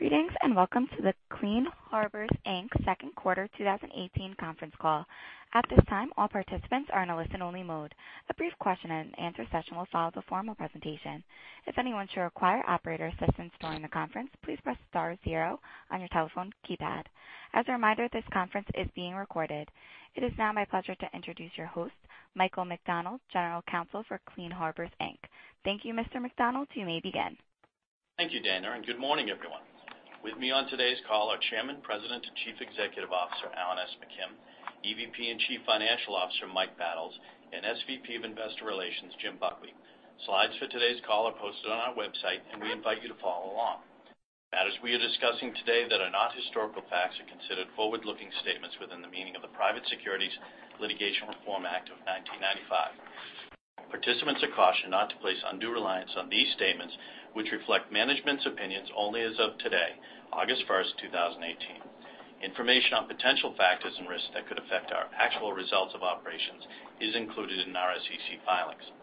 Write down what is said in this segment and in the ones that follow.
Greetings, welcome to the Clean Harbors, Inc. second quarter 2018 conference call. At this time, all participants are in a listen-only mode. A brief question and answer session will follow the formal presentation. If anyone should require operator assistance during the conference, please press star zero on your telephone keypad. As a reminder, this conference is being recorded. It is now my pleasure to introduce your host, Michael McDonald, General Counsel for Clean Harbors, Inc. Thank you, Mr. McDonald. You may begin. Thank you, Dana, good morning, everyone. With me on today's call are Chairman, President, and Chief Executive Officer, Alan S. McKim, EVP and Chief Financial Officer, Michael Battles, and SVP of Investor Relations, Jim Buckley. Slides for today's call are posted on our website. We invite you to follow along. Matters we are discussing today that are not historical facts are considered forward-looking statements within the meaning of the Private Securities Litigation Reform Act of 1995. Participants are cautioned not to place undue reliance on these statements, which reflect management's opinions only as of today, August 1st, 2018. Information on potential factors and risks that could affect our actual results of operations is included in our SEC filings.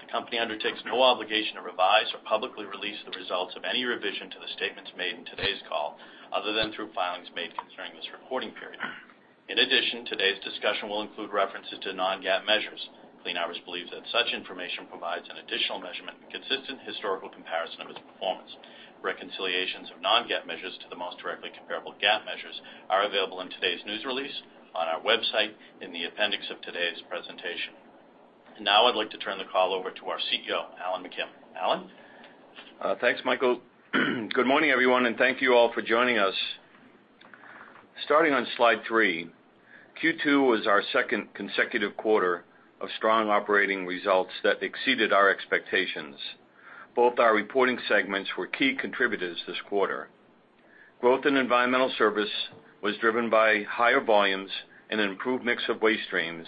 The company undertakes no obligation to revise or publicly release the results of any revision to the statements made in today's call, other than through filings made concerning this reporting period. In addition, today's discussion will include references to non-GAAP measures. Clean Harbors believes that such information provides an additional measurement and consistent historical comparison of its performance. Reconciliations of non-GAAP measures to the most directly comparable GAAP measures are available in today's news release, on our website, in the appendix of today's presentation. Now I'd like to turn the call over to our CEO, Alan McKim. Alan? Thanks, Michael. Good morning, everyone, thank you all for joining us. Starting on Slide three, Q2 was our second consecutive quarter of strong operating results that exceeded our expectations. Both our reporting segments were key contributors this quarter. Growth in Environmental Services was driven by higher volumes and an improved mix of waste streams,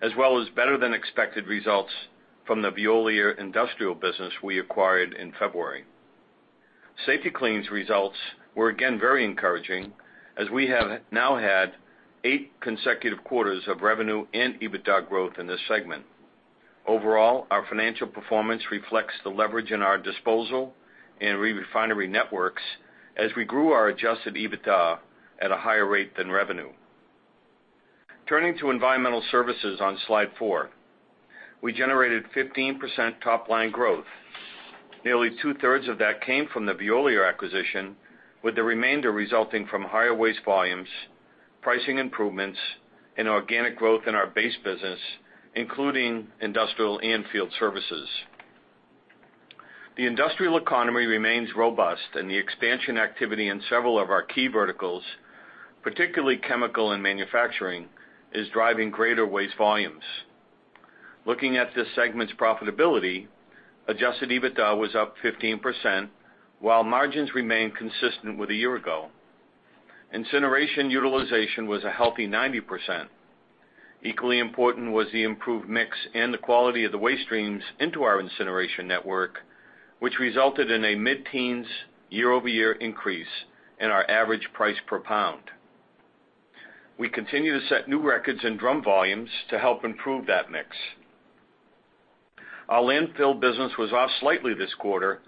as well as better than expected results from the Veolia industrial business we acquired in February. Safety-Kleen's results were again very encouraging, as we have now had eight consecutive quarters of revenue and EBITDA growth in this segment. Overall, our financial performance reflects the leverage in our disposal and refinery networks as we grew our adjusted EBITDA at a higher rate than revenue. Turning to Environmental Services on Slide four. We generated 15% top-line growth. Nearly two-thirds of that came from the Veolia acquisition, with the remainder resulting from higher waste volumes, pricing improvements, and organic growth in our base business, including industrial and field services. The industrial economy remains robust, and the expansion activity in several of our key verticals, particularly chemical and manufacturing, is driving greater waste volumes. Looking at this segment's profitability, adjusted EBITDA was up 15%, while margins remained consistent with a year ago. Incineration utilization was a healthy 90%. Equally important was the improved mix and the quality of the waste streams into our incineration network, which resulted in a mid-teens year-over-year increase in our average price per pound. We continue to set new records in drum volumes to help improve that mix. Our landfill business was off slightly this quarter,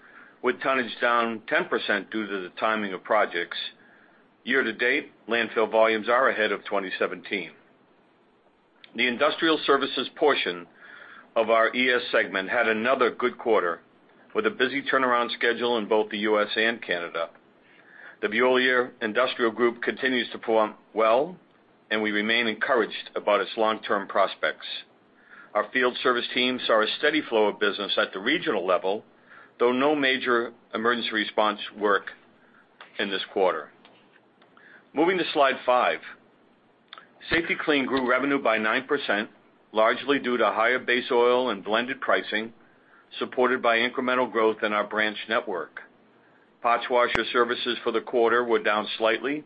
with tonnage down 10% due to the timing of projects. Year-to-date, landfill volumes are ahead of 2017. The industrial services portion of our ES segment had another good quarter with a busy turnaround schedule in both the U.S. and Canada. The Veolia industrial group continues to perform well, and we remain encouraged about its long-term prospects. Our field service teams saw a steady flow of business at the regional level, though no major emergency response work in this quarter. Moving to Slide 5. Safety-Kleen grew revenue by 9%, largely due to higher base oil and blended pricing, supported by incremental growth in our branch network. Pot washer services for the quarter were down slightly,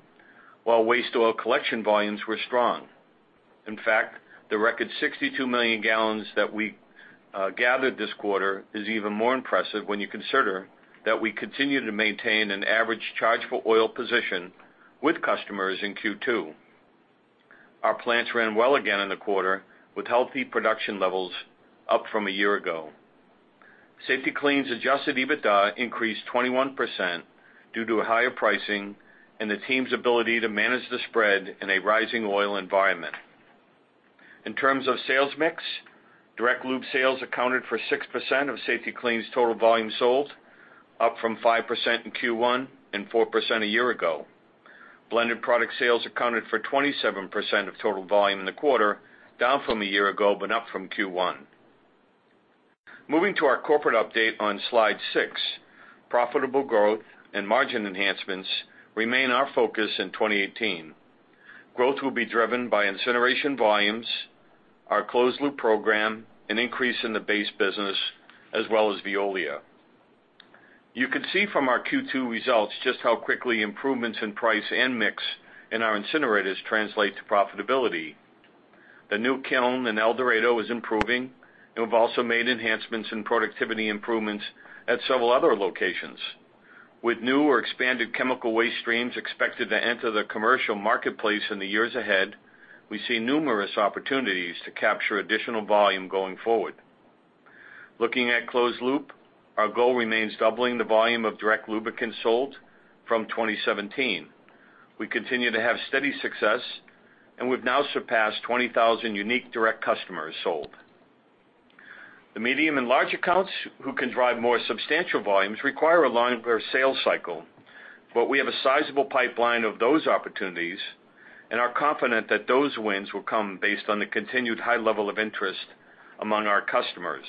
while waste oil collection volumes were strong. In fact, the record 62 million gallons that we gathered this quarter is even more impressive when you consider that we continued to maintain an average chargeable oil position with customers in Q2. Our plants ran well again in the quarter, with healthy production levels up from a year ago. Safety-Kleen's adjusted EBITDA increased 21% due to higher pricing and the team's ability to manage the spread in a rising oil environment. In terms of sales mix, direct lube sales accounted for 6% of Safety-Kleen's total volume sold, up from 5% in Q1 and 4% a year ago. Blended product sales accounted for 27% of total volume in the quarter, down from a year ago, but up from Q1. Moving to our corporate update on Slide 6, profitable growth and margin enhancements remain our focus in 2018. Growth will be driven by incineration volumes, our closed loop program, an increase in the base business, as well as Veolia. You can see from our Q2 results just how quickly improvements in price and mix in our incinerators translate to profitability. The new kiln in El Dorado is improving. We've also made enhancements in productivity improvements at several other locations. With new or expanded chemical waste streams expected to enter the commercial marketplace in the years ahead, we see numerous opportunities to capture additional volume going forward. Looking at closed loop, our goal remains doubling the volume of direct lubricants sold from 2017. We continue to have steady success, and we've now surpassed 20,000 unique direct customers sold. The medium and large accounts who can drive more substantial volumes require a longer sales cycle, but we have a sizable pipeline of those opportunities and are confident that those wins will come based on the continued high level of interest among our customers.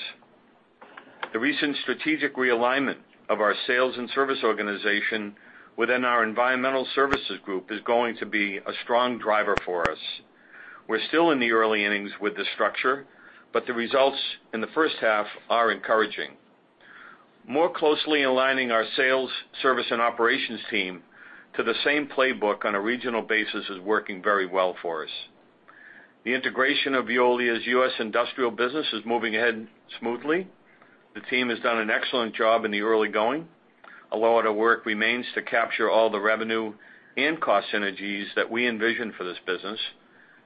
The recent strategic realignment of our sales and service organization within our environmental services group is going to be a strong driver for us. We're still in the early innings with this structure, but the results in the first half are encouraging. More closely aligning our sales, service, and operations team to the same playbook on a regional basis is working very well for us. The integration of Veolia's U.S. industrial business is moving ahead smoothly. The team has done an excellent job in the early going. A lot of work remains to capture all the revenue and cost synergies that we envision for this business.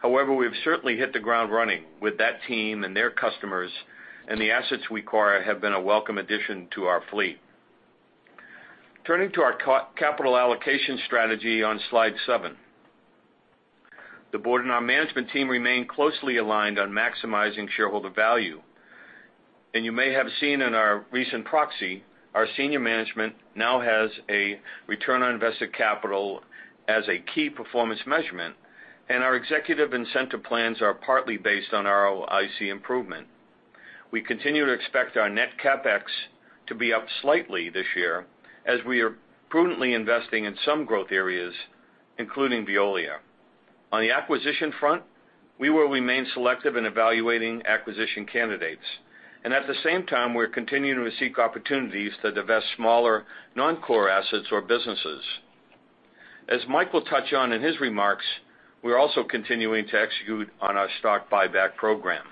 We've certainly hit the ground running with that team and their customers, and the assets we acquire have been a welcome addition to our fleet. Turning to our capital allocation strategy on slide seven. The board and our management team remain closely aligned on maximizing shareholder value. You may have seen in our recent proxy, our senior management now has a return on invested capital as a key performance measurement, and our executive incentive plans are partly based on ROIC improvement. We continue to expect our net CapEx to be up slightly this year as we are prudently investing in some growth areas, including Veolia. On the acquisition front, we will remain selective in evaluating acquisition candidates. At the same time, we're continuing to seek opportunities to divest smaller non-core assets or businesses. As Mike will touch on in his remarks, we're also continuing to execute on our stock buyback program.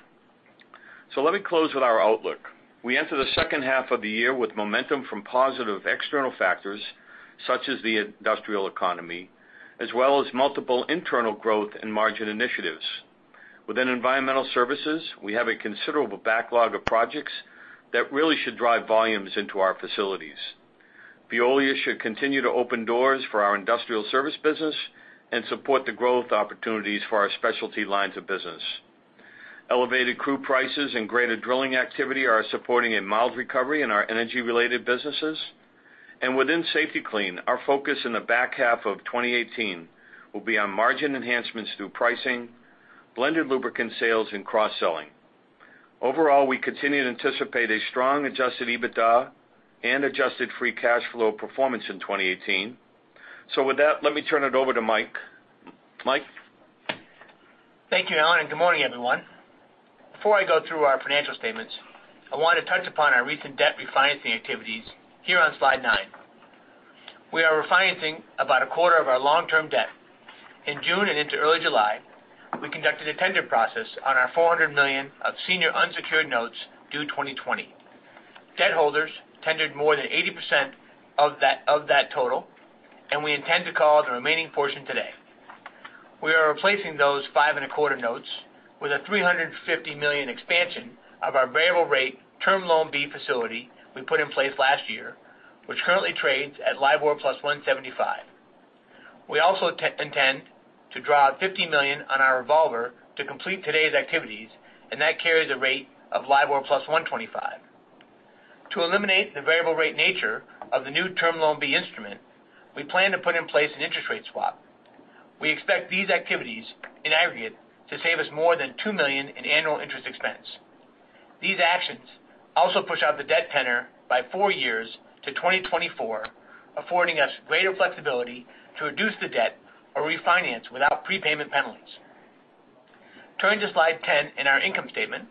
Let me close with our outlook. We enter the second half of the year with momentum from positive external factors, such as the industrial economy, as well as multiple internal growth and margin initiatives. Within environmental services, we have a considerable backlog of projects that really should drive volumes into our facilities. Veolia should continue to open doors for our industrial service business and support the growth opportunities for our specialty lines of business. Elevated crude prices and greater drilling activity are supporting a mild recovery in our energy-related businesses. Within Safety-Kleen, our focus in the back half of 2018 will be on margin enhancements through pricing, blended lubricant sales, and cross-selling. Overall, we continue to anticipate a strong adjusted EBITDA and adjusted free cash flow performance in 2018. With that, let me turn it over to Mike. Mike? Thank you, Alan, and good morning, everyone. Before I go through our financial statements, I want to touch upon our recent debt refinancing activities here on slide nine. We are refinancing about a quarter of our long-term debt. In June and into early July, we conducted a tender process on our $400 million of senior unsecured notes due 2020. Debt holders tendered more than 80% of that total. We intend to call the remaining portion today. We are replacing those five and a quarter notes with a $350 million expansion of our variable rate Term Loan B facility we put in place last year, which currently trades at LIBOR plus 175. We also intend to draw out $50 million on our revolver to complete today's activities. That carries a rate of LIBOR plus 125. To eliminate the variable rate nature of the new Term Loan B instrument, we plan to put in place an interest rate swap. We expect these activities in aggregate to save us more than $2 million in annual interest expense. These actions also push out the debt tenor by four years to 2024, affording us greater flexibility to reduce the debt or refinance without prepayment penalties. Turning to slide 10 in our income statement,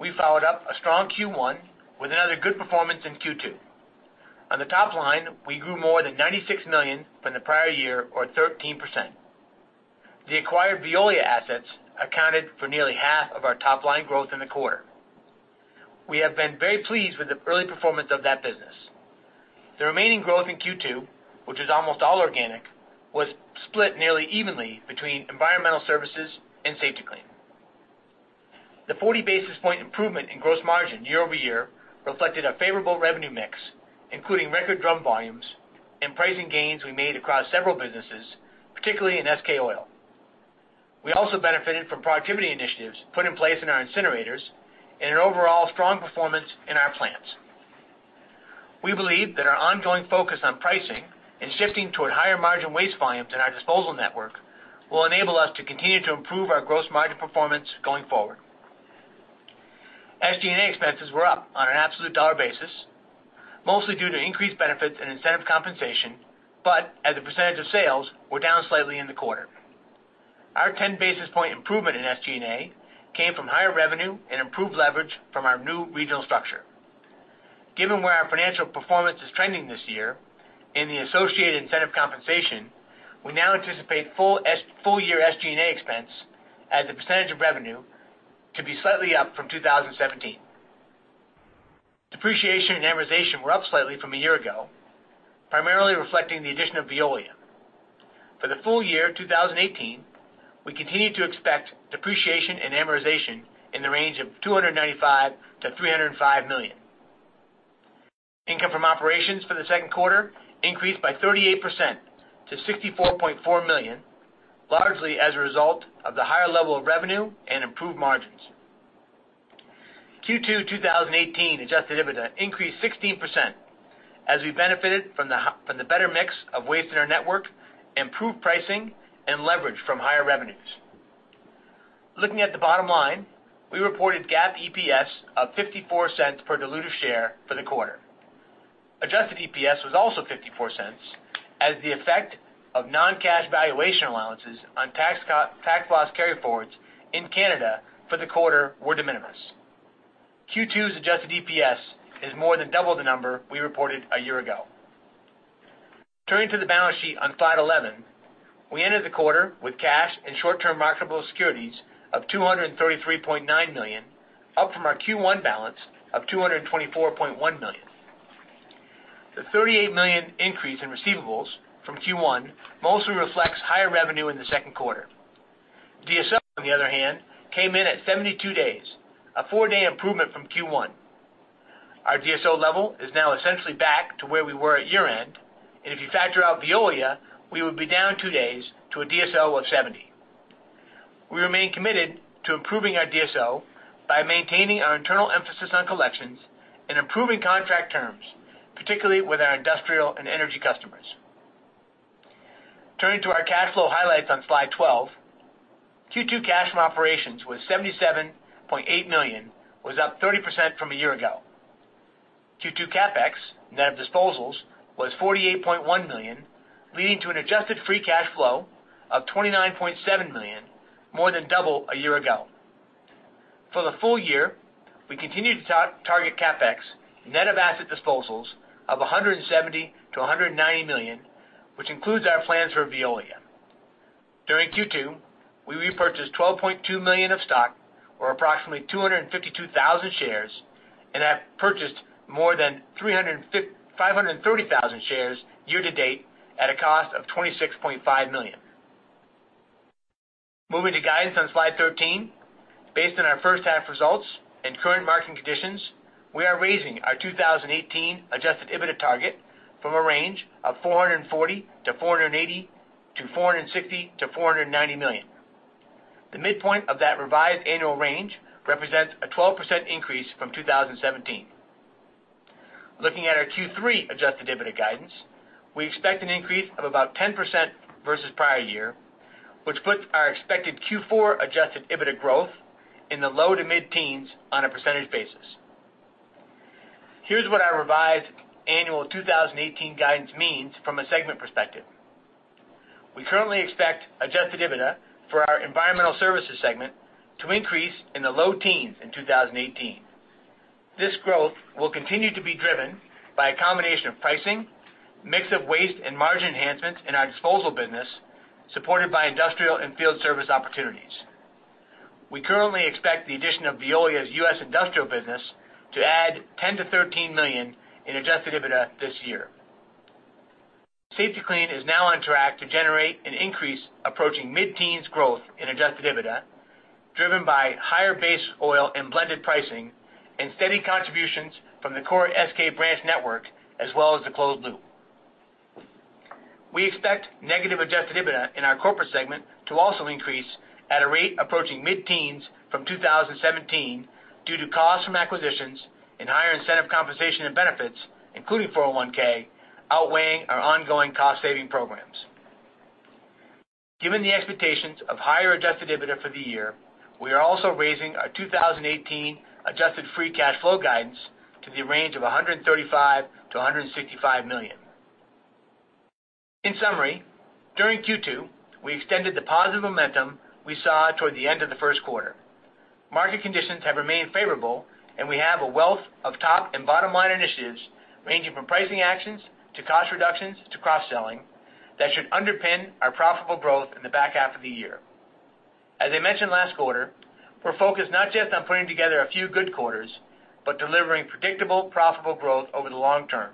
we followed up a strong Q1 with another good performance in Q2. On the top line, we grew more than $96 million from the prior year or 13%. The acquired Veolia assets accounted for nearly half of our top-line growth in the quarter. We have been very pleased with the early performance of that business. The remaining growth in Q2, which was almost all organic, was split nearly evenly between environmental services and Safety-Kleen. The 40 basis point improvement in gross margin year-over-year reflected a favorable revenue mix, including record drum volumes and pricing gains we made across several businesses, particularly in Safety-Kleen Oil. We also benefited from productivity initiatives put in place in our incinerators and an overall strong performance in our plants. We believe that our ongoing focus on pricing and shifting toward higher margin waste volumes in our disposal network will enable us to continue to improve our gross margin performance going forward. SG&A expenses were up on an absolute dollar basis, mostly due to increased benefits and incentive compensation, but as a percentage of sales were down slightly in the quarter. Our 10 basis point improvement in SG&A came from higher revenue and improved leverage from our new regional structure. Given where our financial performance is trending this year and the associated incentive compensation, we now anticipate full year SG&A expense as a percentage of revenue to be slightly up from 2017. Depreciation and amortization were up slightly from a year ago, primarily reflecting the addition of Veolia. For the full year 2018, we continue to expect depreciation and amortization in the range of $295 million-$305 million. Income from operations for the second quarter increased by 38% to $64.4 million, largely as a result of the higher level of revenue and improved margins. Q2 2018 adjusted EBITDA increased 16% as we benefited from the better mix of waste in our network, improved pricing, and leverage from higher revenues. Looking at the bottom line, we reported GAAP EPS of $0.54 per diluted share for the quarter. Adjusted EPS was also $0.44, as the effect of non-cash valuation allowances on tax loss carryforwards in Canada for the quarter were de minimis. Q2's adjusted EPS is more than double the number we reported a year ago. Turning to the balance sheet on slide 11, we entered the quarter with cash and short-term marketable securities of $233.9 million, up from our Q1 balance of $224.1 million. The $38 million increase in receivables from Q1 mostly reflects higher revenue in the second quarter. DSO, on the other hand, came in at 72 days, a four-day improvement from Q1. Our DSO level is now essentially back to where we were at year-end, and if you factor out Veolia, we would be down two days to a DSO of 70. We remain committed to improving our DSO by maintaining our internal emphasis on collections and improving contract terms, particularly with our industrial and energy customers. Turning to our cash flow highlights on slide 12. Q2 cash from operations was $77.8 million, up 30% from a year ago. Q2 CapEx, net of disposals, was $48.1 million, leading to an adjusted free cash flow of $29.7 million, more than double a year ago. For the full year, we continue to target CapEx net of asset disposals of $170 million-$190 million, which includes our plans for Veolia. During Q2, we repurchased $12.2 million of stock, or approximately 252,000 shares, and have purchased more than 530,000 shares year-to-date at a cost of $26.5 million. Moving to guidance on Slide 13. Based on our first half results and current market conditions, we are raising our 2018 adjusted EBITDA target from a range of $440 million-$480 million to $460 million-$490 million. The midpoint of that revised annual range represents a 12% increase from 2017. Looking at our Q3 adjusted EBITDA guidance, we expect an increase of about 10% versus prior year, which puts our expected Q4 adjusted EBITDA growth in the low to mid-teens on a percentage basis. Here's what our revised annual 2018 guidance means from a segment perspective. We currently expect adjusted EBITDA for our Environmental Services segment to increase in the low teens in 2018. This growth will continue to be driven by a combination of pricing, mix of waste, and margin enhancements in our disposal business, supported by industrial and field service opportunities. We currently expect the addition of Veolia's U.S. Industrial business to add $10 million-$13 million in adjusted EBITDA this year. Safety-Kleen is now on track to generate an increase approaching mid-teens growth in adjusted EBITDA, driven by higher base oil and blended pricing and steady contributions from the core SK branch network, as well as the closed loop. We expect negative adjusted EBITDA in our Corporate segment to also increase at a rate approaching mid-teens from 2017 due to costs from acquisitions and higher incentive compensation and benefits, including 401(k), outweighing our ongoing cost-saving programs. Given the expectations of higher adjusted EBITDA for the year, we are also raising our 2018 adjusted free cash flow guidance to the range of $135 million-$165 million. In summary, during Q2, we extended the positive momentum we saw toward the end of the first quarter. Market conditions have remained favorable, we have a wealth of top and bottom line initiatives, ranging from pricing actions to cost reductions to cross-selling, that should underpin our profitable growth in the back half of the year. As I mentioned last quarter, we're focused not just on putting together a few good quarters, but delivering predictable, profitable growth over the long term.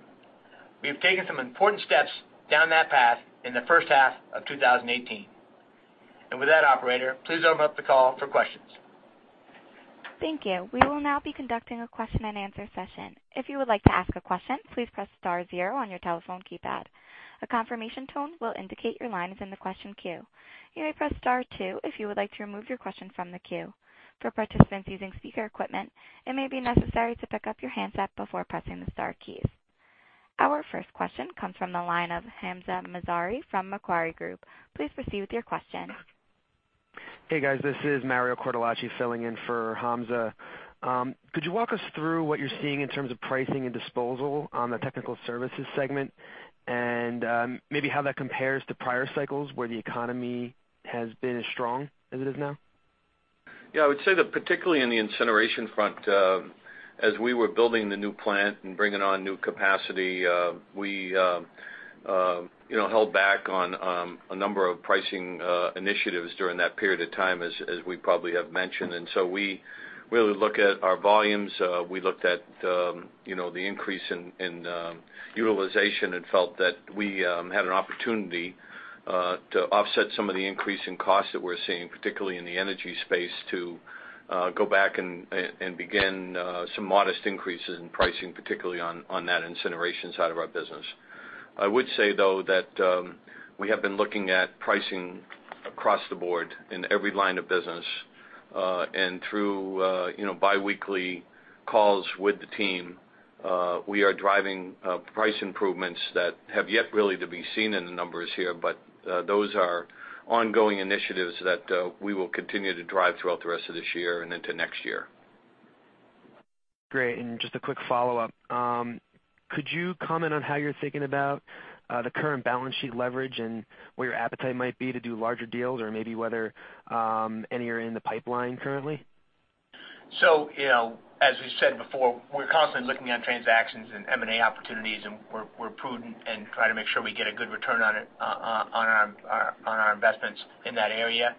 We have taken some important steps down that path in the first half of 2018. With that, operator, please open up the call for questions. Thank you. We will now be conducting a question and answer session. If you would like to ask a question, please press *0 on your telephone keypad. A confirmation tone will indicate your line is in the question queue. You may press *2 if you would like to remove your question from the queue. For participants using speaker equipment, it may be necessary to pick up your handset before pressing the star keys. Our first question comes from the line of Hamza Mazari from Macquarie Group. Please proceed with your question. Hey, guys, this is Mario Cortellucci filling in for Hamza. Could you walk us through what you're seeing in terms of pricing and disposal on the technical services segment? Maybe how that compares to prior cycles where the economy has been as strong as it is now? Yeah, I would say that particularly in the incineration front, as we were building the new plant and bringing on new capacity, we held back on a number of pricing initiatives during that period of time, as we probably have mentioned. We really look at our volumes. We looked at the increase in utilization and felt that we had an opportunity to offset some of the increase in costs that we're seeing, particularly in the energy space, to go back and begin some modest increases in pricing, particularly on that incineration side of our business. I would say, though, that we have been looking at pricing across the board in every line of business. Through biweekly calls with the team, we are driving price improvements that have yet really to be seen in the numbers here, but those are ongoing initiatives that we will continue to drive throughout the rest of this year and into next year. Great. Just a quick follow-up. Could you comment on how you're thinking about the current balance sheet leverage and where your appetite might be to do larger deals or maybe whether any are in the pipeline currently? As we said before, we're constantly looking at transactions and M&A opportunities, and we're prudent and try to make sure we get a good return on our investments in that area.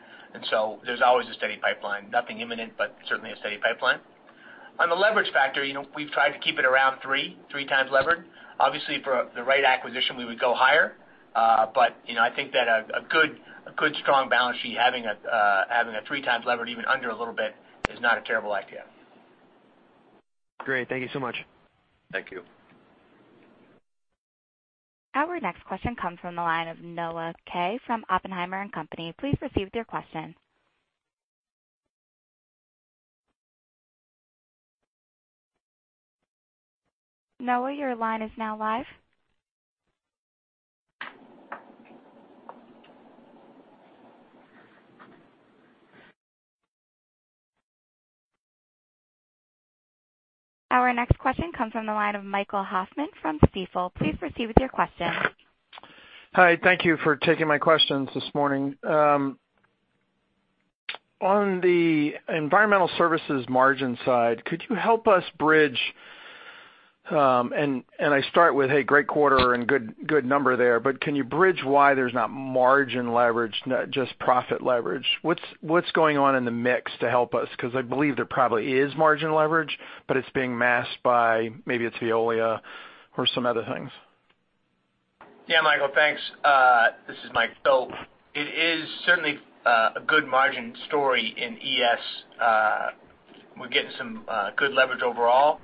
There's always a steady pipeline. Nothing imminent, but certainly a steady pipeline. On the leverage factor, we've tried to keep it around three times levered. Obviously, for the right acquisition, we would go higher. I think that a good strong balance sheet, having a three times levered, even under a little bit, is not a terrible idea. Great. Thank you so much. Thank you. Our next question comes from the line of Noah Kaye from Oppenheimer & Co. Please proceed with your question. Noah, your line is now live. Our next question comes from the line of Michael Hoffman from Stifel. Please proceed with your question. Hi, thank you for taking my questions this morning. On the Environmental Services margin side, could you help us bridge, I start with a great quarter and good number there, can you bridge why there's not margin leverage, not just profit leverage? What's going on in the mix to help us? I believe there probably is margin leverage, but it's being masked by maybe it's Veolia or some other things. Yeah, Michael, thanks. This is Mike. It is certainly a good margin story in ES. We're getting some good leverage overall.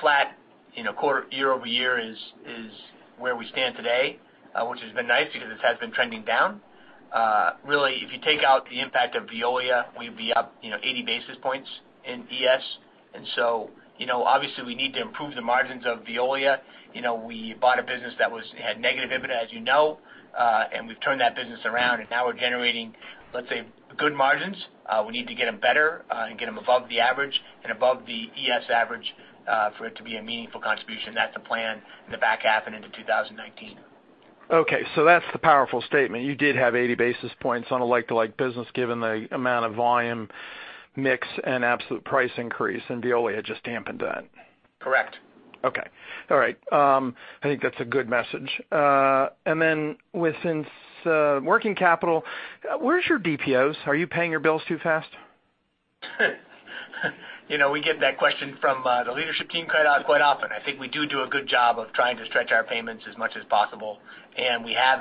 Flat year-over-year is where we stand today, which has been nice because it has been trending down. Really, if you take out the impact of Veolia, we'd be up 80 basis points in ES. Obviously we need to improve the margins of Veolia. We bought a business that had negative EBITDA, as you know, we've turned that business around, and now we're generating, let's say, good margins. We need to get them better and get them above the average and above the ES average for it to be a meaningful contribution. That's the plan in the back half and into 2019. Okay, that's the powerful statement. You did have 80 basis points on a like-to-like business, given the amount of volume mix and absolute price increase, Veolia just dampened that. Correct. Okay. All right. I think that's a good message. With working capital, where's your DPO? Are you paying your bills too fast? We get that question from the leadership team quite often. I think we do a good job of trying to stretch our payments as much as possible. We have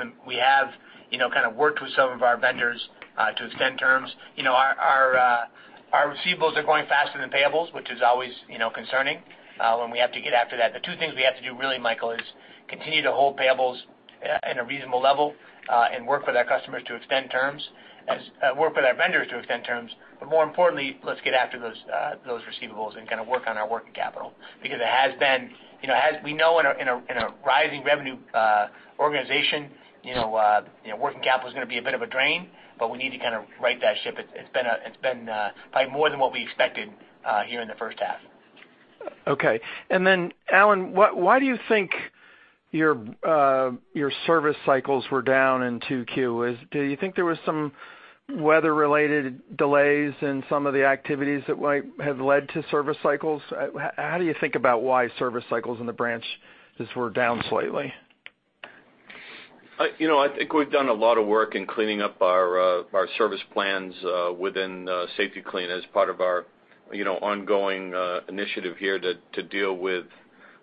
worked with some of our vendors to extend terms. Our receivables are growing faster than payables, which is always concerning. We have to get after that. The two things we have to do really, Michael, is continue to hold payables at a reasonable level and work with our vendors to extend terms, more importantly, let's get after those receivables and work on our working capital. As we know in a rising revenue organization, working capital is going to be a bit of a drain, but we need to right that ship. It's been probably more than what we expected here in the first half. Okay. Alan, why do you think your service cycles were down in 2Q? Do you think there was some weather-related delays in some of the activities that might have led to service cycles? How do you think about why service cycles in the branch were down slightly? I think we've done a lot of work in cleaning up our service plans within Safety-Kleen as part of our ongoing initiative here to deal with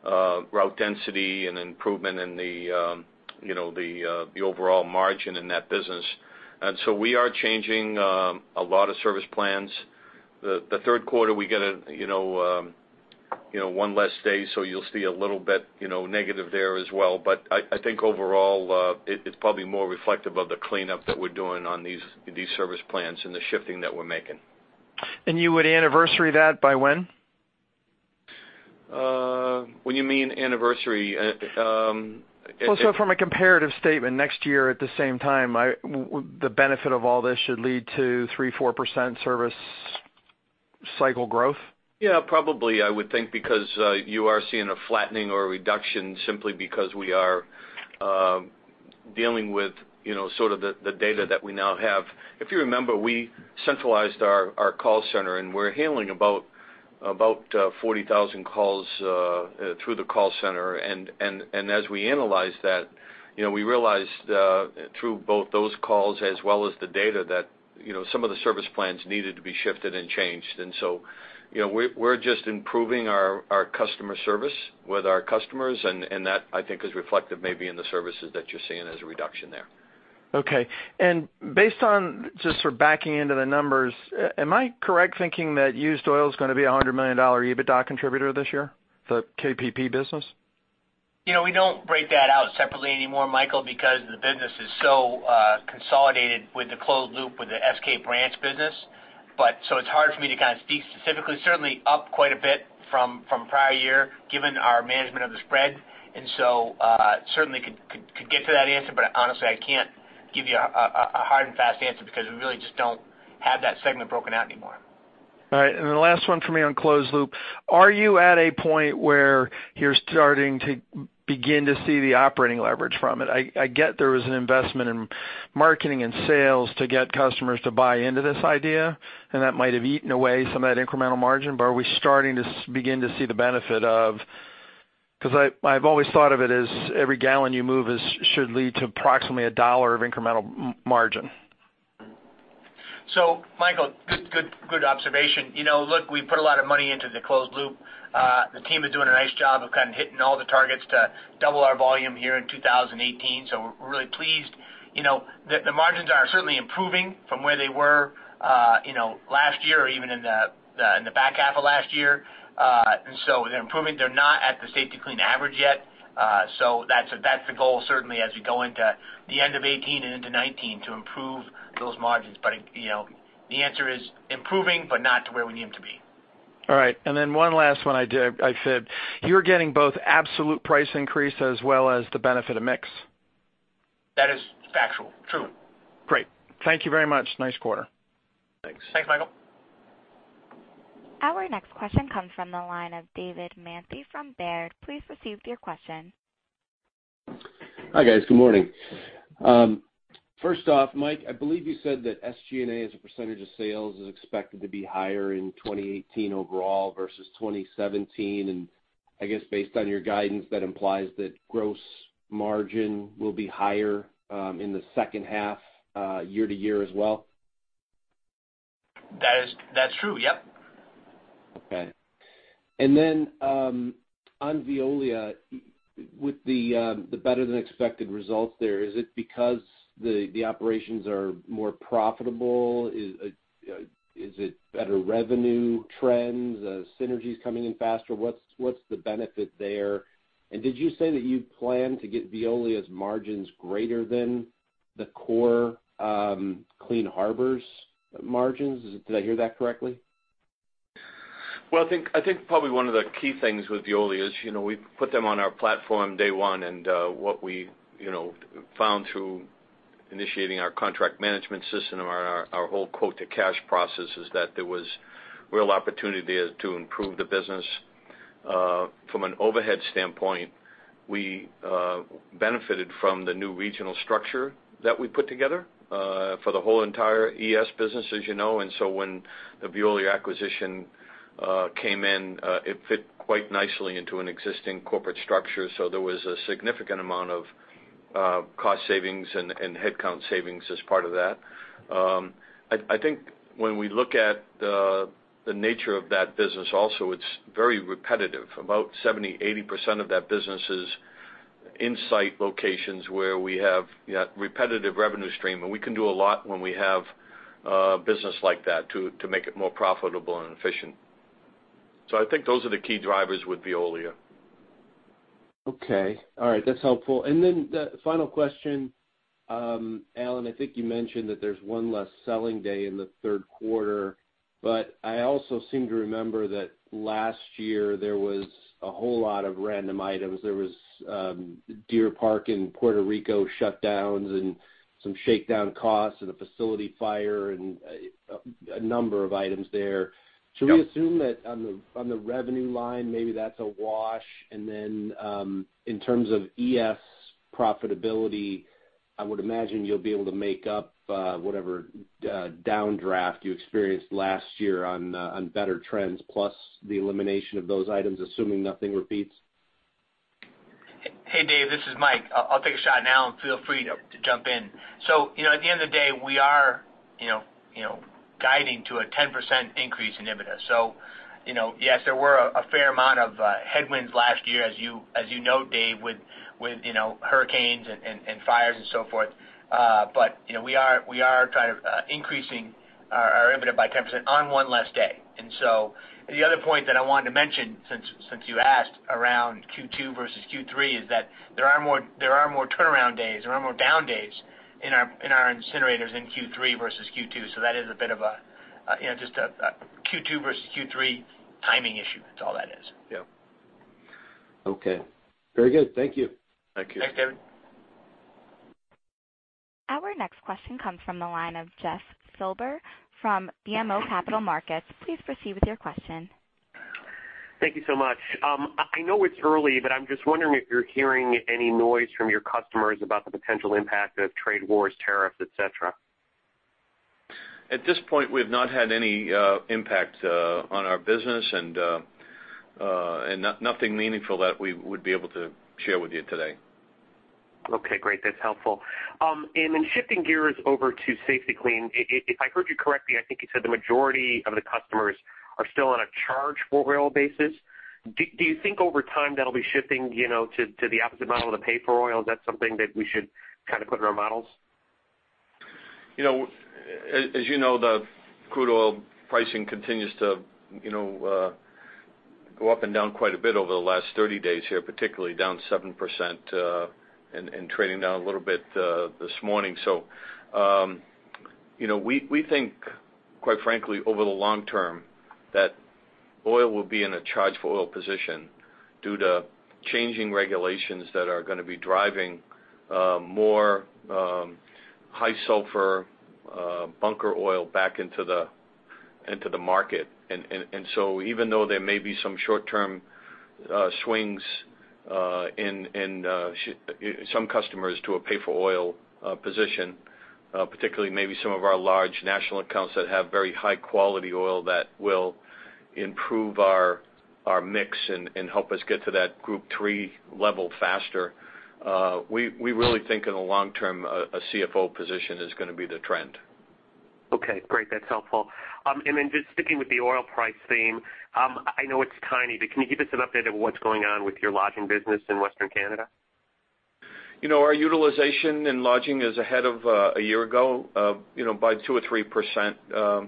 route density and improvement in the overall margin in that business. We are changing a lot of service plans. The third quarter, we get one less day, so you'll see a little bit negative there as well. I think overall, it's probably more reflective of the cleanup that we're doing on these service plans and the shifting that we're making. You would anniversary that by when? When you mean anniversary, it From a comparative statement, next year at the same time, the benefit of all this should lead to 3%-4% service cycle growth? Probably, I would think, because you are seeing a flattening or a reduction simply because we are dealing with sort of the data that we now have. If you remember, we centralized our call center, and we're handling about 40,000 calls through the call center. As we analyze that We realized through both those calls as well as the data that some of the service plans needed to be shifted and changed. We're just improving our customer service with our customers, and that, I think, is reflective maybe in the services that you're seeing as a reduction there. Okay. Based on just sort of backing into the numbers, am I correct thinking that used oil is going to be a $100 million EBITDA contributor this year? The KPP business? We don't break that out separately anymore, Michael, because the business is so consolidated with the closed loop with the SK branch business. It's hard for me to speak specifically. Certainly up quite a bit from prior year, given our management of the spread. Certainly could get to that answer, but honestly, I can't give you a hard and fast answer because we really just don't have that segment broken out anymore. All right. The last one for me on closed loop. Are you at a point where you're starting to begin to see the operating leverage from it? I get there was an investment in marketing and sales to get customers to buy into this idea, and that might have eaten away some of that incremental margin, but are we starting to begin to see the benefit of Because I've always thought of it as every gallon you move should lead to approximately $1 of incremental margin. Michael, good observation. Look, we put a lot of money into the closed loop. The team is doing a nice job of kind of hitting all the targets to double our volume here in 2018. We're really pleased. The margins are certainly improving from where they were last year or even in the back half of last year. They're improving. They're not at the Safety-Kleen average yet. That's the goal certainly as we go into the end of 2018 and into 2019 to improve those margins. The answer is improving, but not to where we need them to be. All right. One last one I did. I said you're getting both absolute price increase as well as the benefit of mix. That is factual. True. Great. Thank you very much. Nice quarter. Thanks. Thanks, Michael. Our next question comes from the line of David Manthey from Baird. Please proceed with your question. Hi, guys. Good morning. First off, Mike, I believe you said that SG&A as a percentage of sales is expected to be higher in 2018 overall versus 2017. I guess based on your guidance, that implies that gross margin will be higher in the second half year-to-year as well. That's true. Yep. Okay. Then on Veolia, with the better-than-expected results there, is it because the operations are more profitable? Is it better revenue trends, synergies coming in faster? What's the benefit there? Did you say that you plan to get Veolia's margins greater than the core Clean Harbors margins? Did I hear that correctly? I think probably one of the key things with Veolia is we put them on our platform day one, what we found through initiating our contract management system and our whole quote-to-cash process is that there was real opportunity to improve the business. From an overhead standpoint, we benefited from the new regional structure that we put together for the whole entire ES business, as you know. When the Veolia acquisition came in, it fit quite nicely into an existing corporate structure. There was a significant amount of cost savings and headcount savings as part of that. I think when we look at the nature of that business also, it's very repetitive. About 70%-80% of that business is in site locations where we have repetitive revenue stream, we can do a lot when we have business like that to make it more profitable and efficient. I think those are the key drivers with Veolia. Okay. All right. That's helpful. The final question. Alan, I think you mentioned that there's one less selling day in the third quarter, I also seem to remember that last year there was a whole lot of random items. There was Deer Park and Puerto Rico shutdowns and some shakedown costs and a facility fire and a number of items there. Yep. Should we assume that on the revenue line, maybe that's a wash? In terms of ES profitability, I would imagine you'll be able to make up whatever downdraft you experienced last year on better trends plus the elimination of those items, assuming nothing repeats. Hey, Dave, this is Mike. I'll take a shot. Alan, feel free to jump in. At the end of the day, we are guiding to a 10% increase in EBITDA. Yes, there were a fair amount of headwinds last year, as you note, Dave, with hurricanes and fires and so forth. We are increasing our EBITDA by 10% on one less day. The other point that I wanted to mention since you asked around Q2 versus Q3 is that there are more turnaround days. There are more down days in our incinerators in Q3 versus Q2. That is a bit of a Q2 versus Q3 timing issue. That's all that is. Yep. Okay. Very good. Thank you. Thank you. Thanks, David. Our next question comes from the line of Jeffrey Silber from BMO Capital Markets. Please proceed with your question. Thank you so much. I know it's early, but I'm just wondering if you're hearing any noise from your customers about the potential impact of trade wars, tariffs, et cetera. At this point, we have not had any impact on our business and nothing meaningful that we would be able to share with you today. Okay, great. That's helpful. Shifting gears over to Safety-Kleen. If I heard you correctly, I think you said the majority of the customers are still on a charge-for-oil basis. Do you think over time that'll be shifting to the opposite model of the pay-for-oil? Is that something that we should put in our models? As you know, the crude oil pricing continues to go up and down quite a bit over the last 30 days here, particularly down 7% and trading down a little bit this morning. We think, quite frankly, over the long term that oil will be in a charge-for-oil position due to changing regulations that are going to be driving more high sulfur bunker oil back into the market. Even though there may be some short-term swings in some customers to a pay-for-oil position, particularly maybe some of our large national accounts that have very high-quality oil that will improve our mix and help us get to that Group III level faster. We really think in the long term, a charge-for-oil position is going to be the trend. Okay, great. That's helpful. Just sticking with the oil price theme. I know it's tiny, but can you give us an update of what's going on with your lodging business in Western Canada? Our utilization in lodging is ahead of a year ago by 2% or 3%.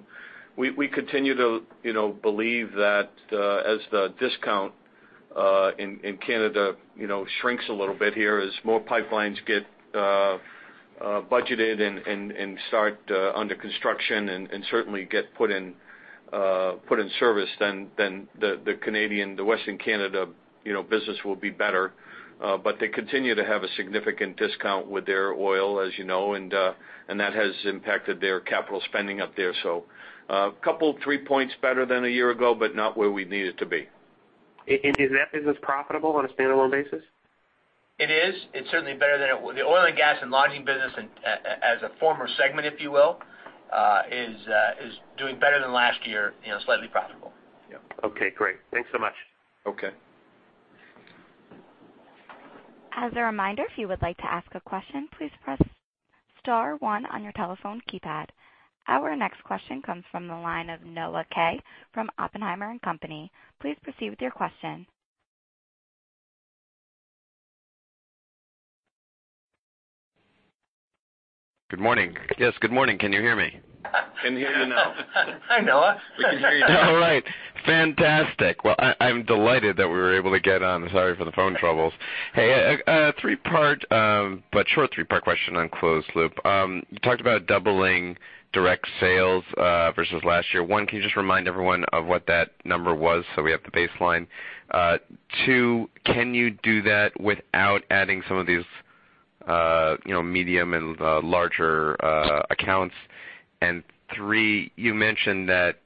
We continue to believe that as the discount in Canada shrinks a little bit here, as more pipelines get budgeted and start under construction and certainly get put in service, then the Western Canada business will be better. They continue to have a significant discount with their oil, as you know, and that has impacted their capital spending up there. A couple, three points better than a year ago, but not where we need it to be. Is that business profitable on a standalone basis? It is. It's certainly better than The oil and gas and lodging business, as a former segment, if you will, is doing better than last year, slightly profitable. Yeah. Okay, great. Thanks so much. Okay. As a reminder, if you would like to ask a question, please press *1 on your telephone keypad. Our next question comes from the line of Noah Kaye from Oppenheimer & Co. Please proceed with your question. Good morning. Yes, good morning. Can you hear me? Can hear you now. Hi, Noah. We can hear you now. All right. Fantastic. I'm delighted that we were able to get on. Sorry for the phone troubles. Hey, a short three-part question on closed loop. You talked about doubling direct sales versus last year. One, can you just remind everyone of what that number was so we have the baseline? Two, can you do that without adding some of these medium and larger accounts? Three, you mentioned that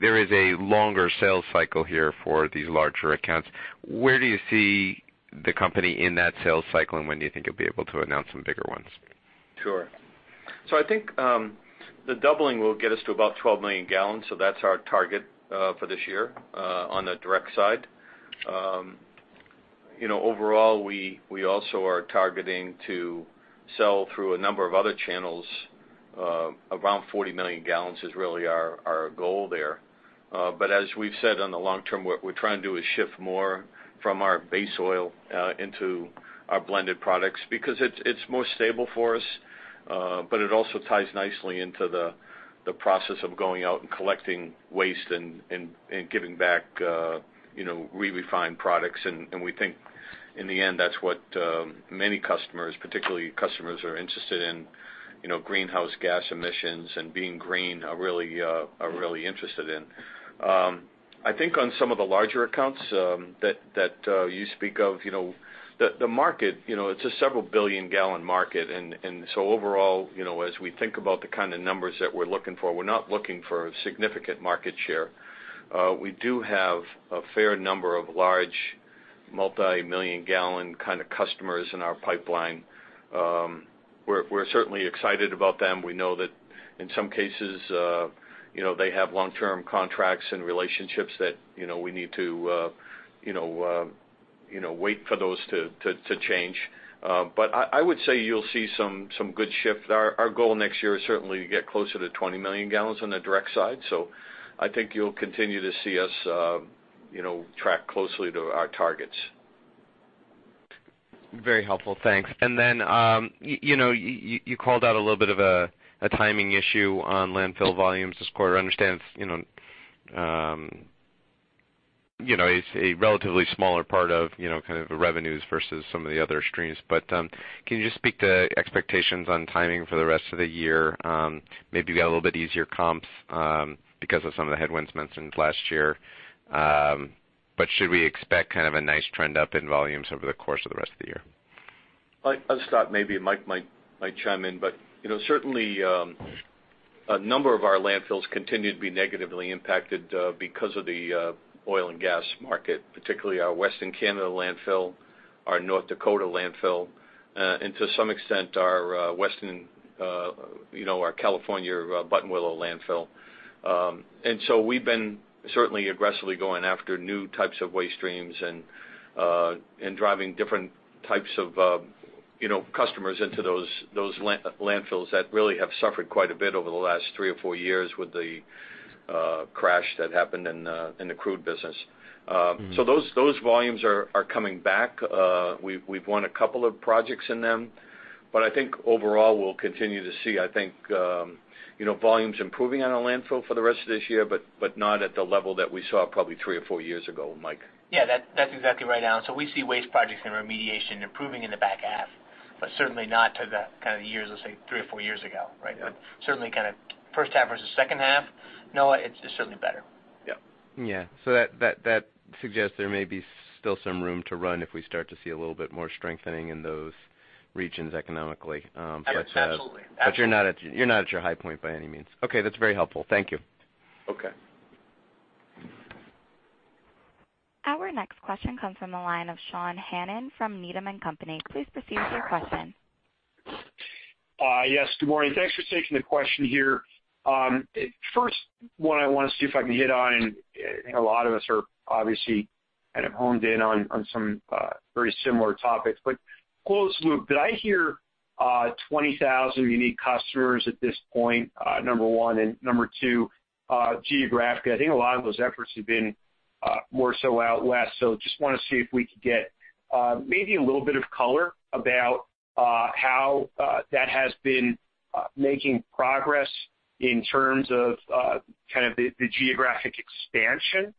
there is a longer sales cycle here for these larger accounts. Where do you see the company in that sales cycle, and when do you think you'll be able to announce some bigger ones? Sure. I think the doubling will get us to about 12 million gallons. That's our target for this year on the direct side. Overall, we also are targeting to sell through a number of other channels. Around 40 million gallons is really our goal there. As we've said on the long term, what we're trying to do is shift more from our base oil into our blended products because it's more stable for us. It also ties nicely into the process of going out and collecting waste and giving back re-refined products. We think in the end, that's what many customers, particularly customers who are interested in greenhouse gas emissions and being green are really interested in. I think on some of the larger accounts that you speak of, the market, it's a several billion gallon market. Overall, as we think about the kind of numbers that we're looking for, we're not looking for significant market share. We do have a fair number of large multi-million gallon kind of customers in our pipeline. We're certainly excited about them. We know that in some cases, they have long-term contracts and relationships that we need to wait for those to change. I would say you'll see some good shift. Our goal next year is certainly to get closer to 20 million gallons on the direct side. I think you'll continue to see us track closely to our targets. Very helpful. Thanks. You called out a little bit of a timing issue on landfill volumes this quarter. I understand it's a relatively smaller part of kind of the revenues versus some of the other streams. Can you just speak to expectations on timing for the rest of the year? Maybe you got a little bit easier comps because of some of the headwinds mentioned last year. Should we expect kind of a nice trend up in volumes over the course of the rest of the year? I'll start, maybe Mike might chime in. Certainly, a number of our landfills continue to be negatively impacted because of the oil and gas market, particularly our Western Canada landfill, our North Dakota landfill, and to some extent, our California Buttonwillow landfill. We've been certainly aggressively going after new types of waste streams and driving different types of customers into those landfills that really have suffered quite a bit over the last three or four years with the crash that happened in the crude business. Those volumes are coming back. We've won a couple of projects in them, I think overall we'll continue to see volumes improving on a landfill for the rest of this year, not at the level that we saw probably three or four years ago, Mike. That's exactly right, Alan. We see waste projects and remediation improving in the back half, but certainly not to the kind of years, let's say, three or four years ago, right? Yeah. Certainly kind of first half versus second half, no, it's certainly better. Yep. That suggests there may be still some room to run if we start to see a little bit more strengthening in those regions economically. Absolutely. You're not at your high point by any means. Okay. That's very helpful. Thank you. Okay. Our next question comes from the line of Sean Hannan from Needham & Company. Please proceed with your question. Yes. Good morning. Thanks for taking the question here. First one I want to see if I can hit on, I think a lot of us are obviously kind of honed in on some very similar topics, closed loop. Did I hear 20,000 unique customers at this point, number one, number two, geographically, I think a lot of those efforts have been more so out west. Just want to see if we could get maybe a little bit of color about how that has been making progress in terms of kind of the geographic expansion,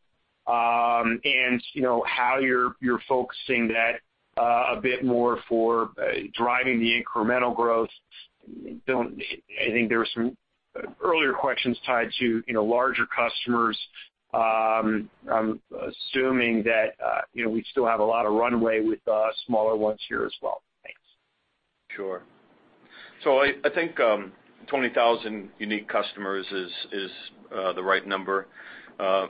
how you're focusing that a bit more for driving the incremental growth. I think there were some earlier questions tied to larger customers. I'm assuming that we still have a lot of runway with smaller ones here as well. Thanks. Sure. I think 20,000 unique customers is the right number.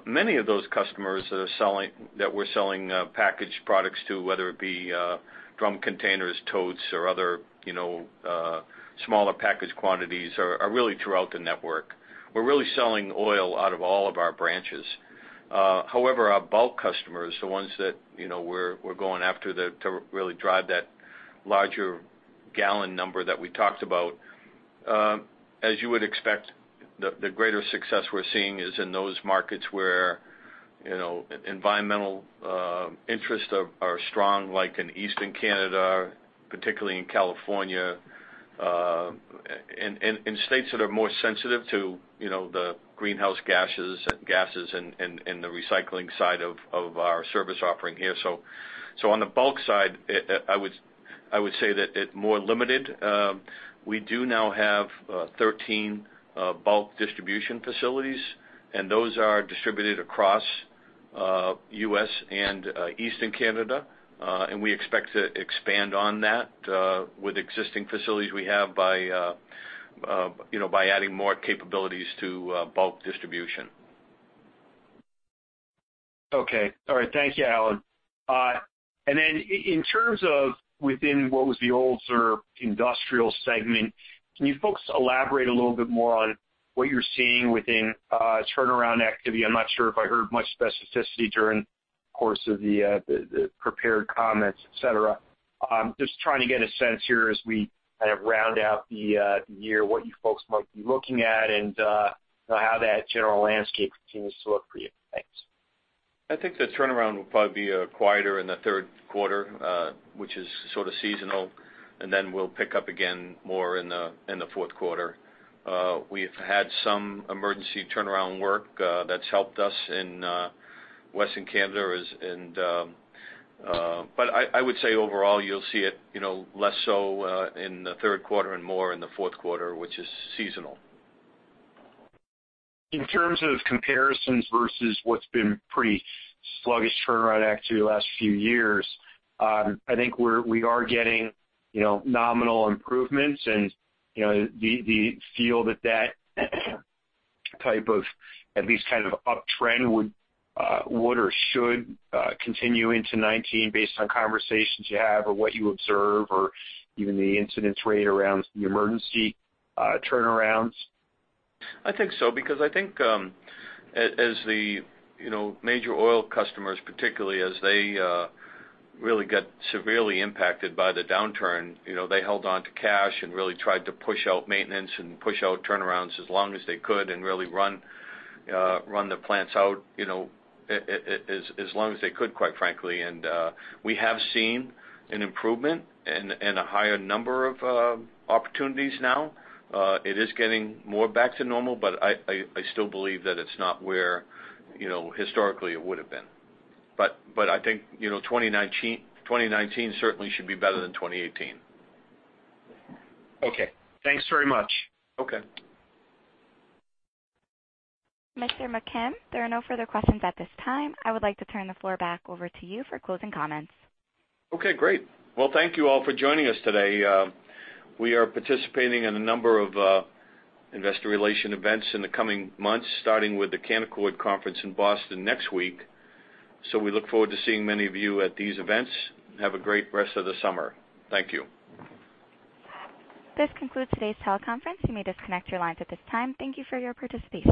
Many of those customers that we're selling packaged products to, whether it be drum containers, totes, or other smaller packaged quantities, are really throughout the network. We're really selling oil out of all of our branches. However, our bulk customers, the ones that we're going after to really drive that larger gallon number that we talked about, as you would expect, the greater success we're seeing is in those markets where environmental interests are strong, like in Eastern Canada, particularly in California, in states that are more sensitive to the greenhouse gases and the recycling side of our service offering here. On the bulk side, I would say that it's more limited. We do now have 13 bulk distribution facilities, those are distributed across U.S. and Eastern Canada. We expect to expand on that with existing facilities we have by adding more capabilities to bulk distribution. Okay. All right. Thank you, Alan. Then in terms of within what was the [old ser]-- Industrial Segment, can you folks elaborate a little bit more on what you're seeing within turnaround activity? I'm not sure if I heard much specificity during the course of the prepared comments, et cetera. I'm just trying to get a sense here as we kind of round out the year what you folks might be looking at and how that general landscape continues to look for you. Thanks. I think the turnaround will probably be quieter in the third quarter, which is sort of seasonal, then we'll pick up again more in the fourth quarter. We've had some emergency turnaround work that's helped us in Western Canada. I would say overall, you'll see it less so in the third quarter and more in the fourth quarter, which is seasonal. In terms of comparisons versus what's been pretty sluggish turnaround activity the last few years, I think we are getting nominal improvements and the feel that type of at least kind of uptrend would or should continue into 2019 based on conversations you have or what you observe or even the incidence rate around the emergency turnarounds? I think so, because I think as the major oil customers, particularly as they really got severely impacted by the downturn, they held onto cash and really tried to push out maintenance and push out turnarounds as long as they could and really run their plants out as long as they could, quite frankly. We have seen an improvement and a higher number of opportunities now. It is getting more back to normal, I still believe that it's not where historically it would have been. I think 2019 certainly should be better than 2018. Okay. Thanks very much. Okay. Mr. McKim, there are no further questions at this time. I would like to turn the floor back over to you for closing comments. Okay, great. Well, thank you all for joining us today. We are participating in a number of investor relation events in the coming months, starting with the Canaccord conference in Boston next week. We look forward to seeing many of you at these events. Have a great rest of the summer. Thank you. This concludes today's teleconference. You may disconnect your lines at this time. Thank you for your participation.